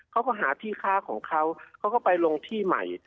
เขาก็หาที่ค้าของเขาเขาก็ไปลงที่ใหม่